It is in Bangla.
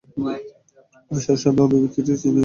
অবিশ্বাস্য, আমি অভিব্যক্তিটা দেখেছি।